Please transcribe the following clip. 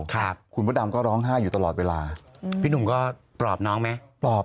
คุณมดำก็ร้องห้าอยู่ตลอดเวลาพี่หนุ่มก็ปรอบน้องไหม